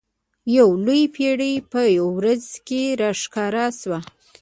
یو لوی پیری په وریځ کې را ښکاره شو.